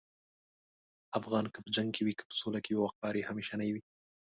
افغان که په جنګ کې وي که په سولې کې، وقار یې همیشنی وي.